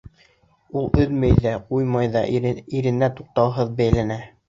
Ул өҙмәй ҙә, ҡуймай ҙа, иренә туҡтауһыҙ бәйләнә.